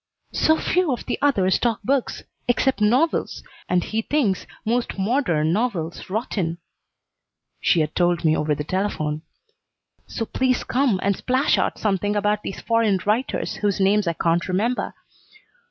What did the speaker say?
"So few of the others talk books, except novels, and he thinks most modern novels rotten," she had told me over the telephone. "So please come and splash out something about these foreign writers whose names I can't remember.